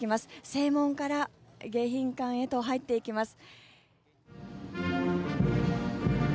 正門から迎賓館へと入っていきます。